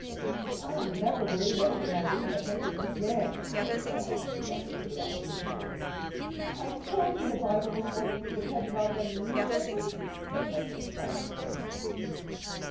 "I'll never believe anything I read in the papers again," said Dan, rushing to the opposite extreme. "I told you the Bible was more to be depended on than the newspapers," said Cecily triumphantly.